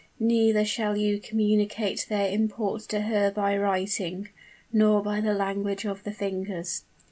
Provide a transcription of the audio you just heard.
neither shall you communicate their import to her by writing, nor by the language of the fingers.